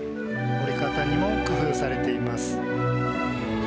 降り方にも工夫されています。